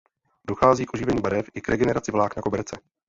Dochází k oživení barev i k regeneraci vlákna koberce.